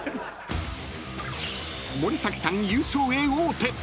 ［森崎さん優勝へ王手］